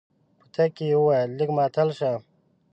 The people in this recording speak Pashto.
په تګ کې يې وويل لږ ماتل شه.